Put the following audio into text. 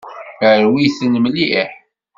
Rwit-tent mliḥ.